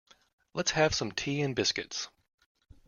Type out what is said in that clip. Let's have some tea and biscuits.